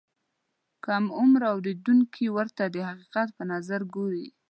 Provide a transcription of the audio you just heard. کم عمره اورېدونکي ورته د حقیقت په نظر ګوري.